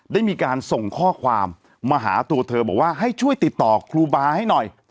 ได้มีการส่งข้อความมาหาตัวเธอบอกว่าให้ช่วยติดต่อครูบาให้หน่อย